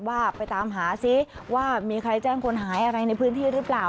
ว่าไปตามหาซิว่ามีใครแจ้งคนหายอะไรในพื้นที่หรือเปล่า